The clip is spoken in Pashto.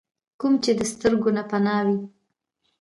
کوم چې د سترګو نه پناه وي ۔